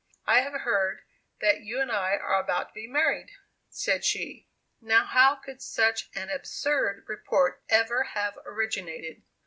"I have heard that you and I are about to be married," said she; "now how could such an absurd report ever have originated?"